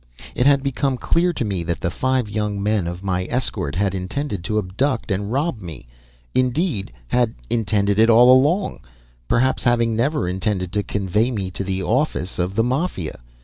It had become clear to me that the five young men of my escort had intended to abduct and rob me indeed had intended it all along, perhaps having never intended to convoy me to the office of the Mafia.